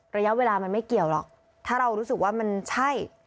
ระยะเวลามันไม่เกี่ยวหรอกถ้าเรารู้สึกว่ามันใช่